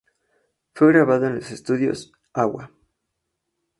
Fue grabado en los estudios "Agua".